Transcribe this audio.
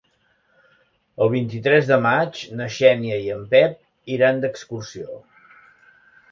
El vint-i-tres de maig na Xènia i en Pep iran d'excursió.